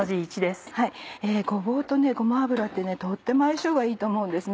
ごぼうとごま油ってとっても相性がいいと思うんです。